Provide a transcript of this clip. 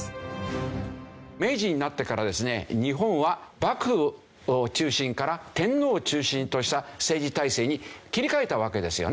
明治になってからですね日本は幕府を中心から天皇を中心とした政治体制に切り替えたわけですよね。